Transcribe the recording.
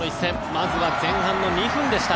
まずは前半の２分でした。